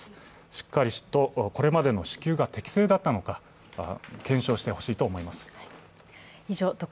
しっかりとこれまでの支給が適正だったのか、検証してほしいと思います。